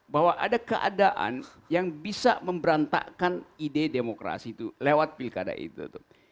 bahwa ada keadaan yang bisa memberantakan ide demokrasi itu lewat pilkada itu